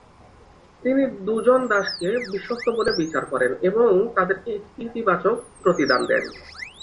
তিনি দু'জন দাসকে "বিশ্বস্ত" বলে বিচার করেন এবং তাদেরকে একটি ইতিবাচক প্রতিদান দেন।